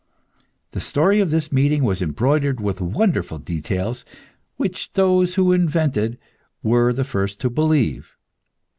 The story of this meeting was embroidered with wonderful details, which those who invented were the first to believe.